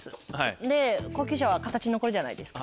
で高級車は形残るじゃないですか。